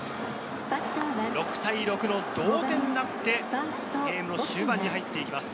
６対６の同点になってゲームの終盤に入っています。